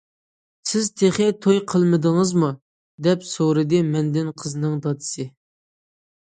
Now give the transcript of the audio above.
- سىز تېخى توي قىلمىدىڭىزمۇ؟- دەپ سورىدى مەندىن قىزنىڭ دادىسى.